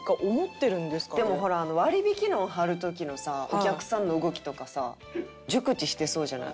でもほら割引のを貼る時のさお客さんの動きとかさ熟知してそうじゃない？